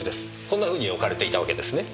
こんなふうに置かれていたわけですね。